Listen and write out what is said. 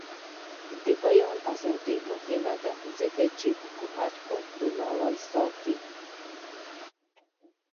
د بیان ازادي مهمه ده ځکه چې د حکومت کنټرول ساتي.